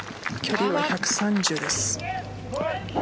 距離は１３０です。